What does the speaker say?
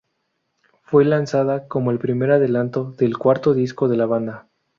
Fue lanzada como el primer adelanto del cuarto disco de la banda.